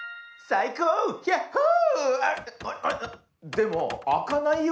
でもあかないよ。